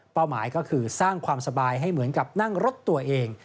หมายก็คือสร้างความสบายให้เหมือนกับนั่งรถตัวเอง